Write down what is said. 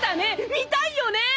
見たいよね！